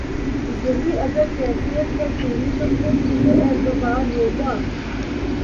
یہی اگر کیفیت ہے تیری تو پھر کسے اعتبار ہوگا